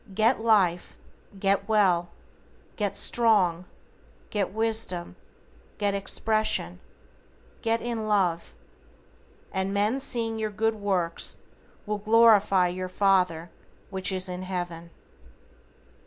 Get life, get well, get strong, get wisdom, get expression, get in love. "And men seeing your good works will glorify your Father which is in heaven."